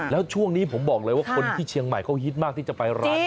แล้วช่วงนี้ผมบอกเลยว่าคนที่เชียงใหม่เขาฮิตมากที่จะไปร้านนี้